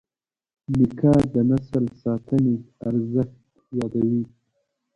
نیکه د نسل ساتنې ارزښت یادوي.